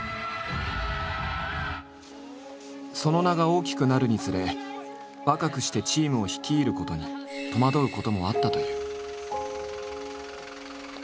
その名が大きくなるにつれ若くしてチームを率いることに戸惑うこともあったという。